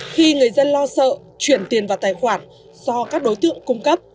khi người dân lo sợ chuyển tiền vào tài khoản do các đối tượng cung cấp